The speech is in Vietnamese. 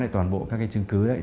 toàn bộ các cái chứng cứ đấy